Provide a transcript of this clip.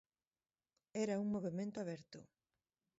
Era un movemento aberto.